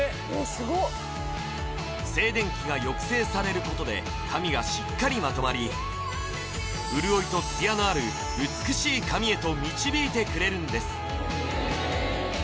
すごっ静電気が抑制されることで髪がしっかりまとまり潤いとツヤのある美しい髪へと導いてくれるんです